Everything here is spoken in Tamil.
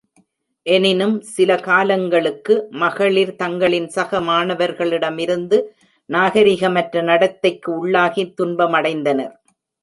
எனினும், சில காலங்களுக்கு, மகளிர் தங்களின் சக மாணவர்களிடமிருந்து நாகரீகமற்ற நடத்தைக்கு உள்ளாகி துன்பமடைந்தனர்.